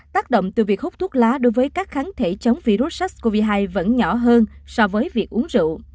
tác động từ việc hút thuốc lá đối với các kháng thể chống virus sars cov hai vẫn nhỏ hơn so với việc uống rượu